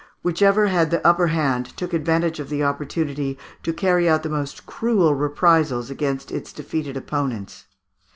Whichever had the upper hand took advantage of the opportunity to carry out the most cruel reprisals against its defeated opponents.